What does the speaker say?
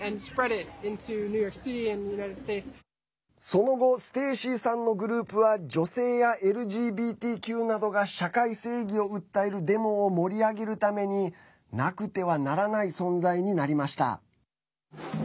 その後ステイシーさんのグループは女性やＬＧＢＴＱなどが社会正義を訴えるデモを盛り上げるためになくてはならない存在になりました。